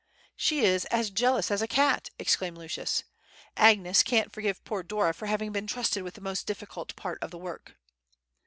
"She is as jealous as a cat!" exclaimed Lucius; "Agnes can't forgive poor Dora for having been trusted with the most difficult part of the work."